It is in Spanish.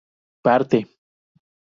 parte